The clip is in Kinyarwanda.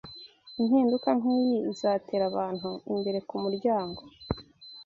Impinduka nkiyi izateza abantu imbere kumuryango